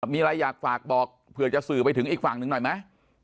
มีอะไรอยากฝากบอกเผื่อจะสื่อไปถึงอีกฝั่งหนึ่งหน่อยไหม